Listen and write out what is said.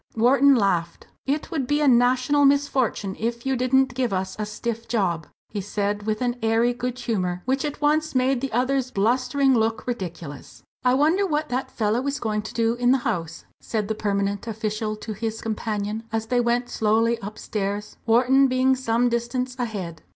Wharton laughed. "It would be a national misfortune if you didn't give us a stiff job," he said, with an airy good humour which at once made the other's blustering look ridiculous. "I wonder what that fellow is going to do in the House," said the permanent official to his companion as they went slowly upstairs, Wharton being some distance ahead.